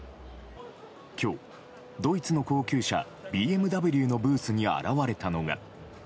今日、ドイツの高級車ＢＭＷのブースに現れたのが。